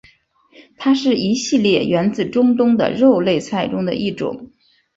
它是一系列源自中东的肉类菜中的一种。